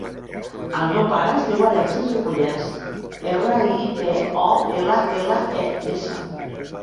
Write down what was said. El meu pare es diu Alexis Ripolles: erra, i, pe, o, ela, ela, e, essa.